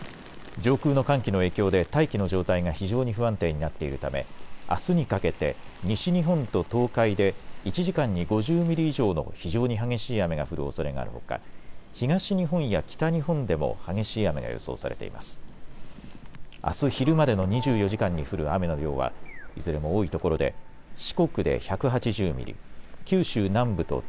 上空の寒気の影響で大気の状態が非常に不安定になっているためあすにかけて西日本と東海で１時間に５０ミリ以上の非常に激しい雨が降るおそれがあるほか東日本や北日本でも激しい雨が予想されています。